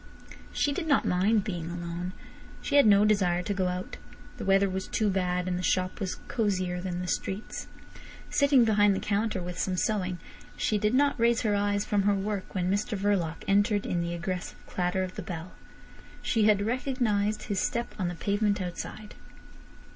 She did not mind being alone. She had no desire to go out. The weather was too bad, and the shop was cosier than the streets. Sitting behind the counter with some sewing, she did not raise her eyes from her work when Mr Verloc entered in the aggressive clatter of the bell. She had recognised his step on the pavement outside.